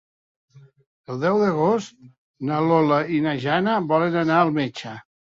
El deu d'agost na Lola i na Jana volen anar al metge.